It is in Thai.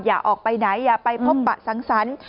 อย่าออกไปไหนอย่าไปพบปะสังสรรค์